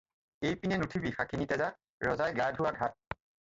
এইপিনে নুঠিবি শাখিনী তেজা, ৰজাই গা ধোৱা ঘাট।